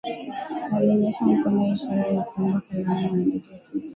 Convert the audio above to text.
Alinyoosha mkono ishara ya kuomba kalamu aandike kitu